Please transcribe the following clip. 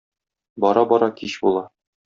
Бара-бара кич була.